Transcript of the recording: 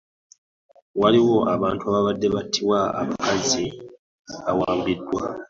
Waliwo abantu ababadde battibwa abakazi bawambibwa